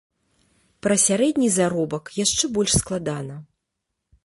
Пра сярэдні заробак яшчэ больш складана.